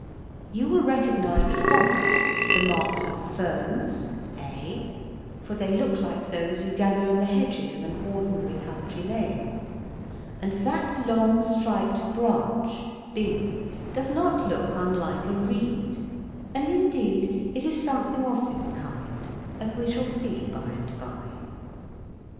You will recognize at once the marks of ferns (a), for they look like those you gather in the hedges of an ordinary country lane, and that long striped branch (b) does not look unlike a reed, and indeed it is something of this kind, as we shall see by and by.